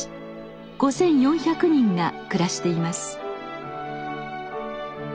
５，４００人が暮らしています。